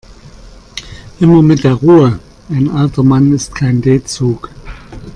Immer mit der Ruhe, ein alter Mann ist kein D-Zug.